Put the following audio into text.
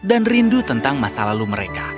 dan rindu tentang masa lalu mereka